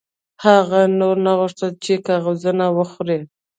هغه نور نه غوښتل چې کاغذونه وخوري